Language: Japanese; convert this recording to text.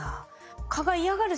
蚊が嫌がる